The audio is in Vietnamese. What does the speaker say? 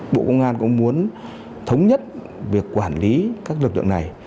bộ công an cũng muốn thống nhất việc quản lý các lực lượng này